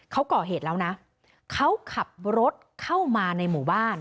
เขาก่อเหตุแล้วนะเขาขับรถเข้ามาในหมู่บ้าน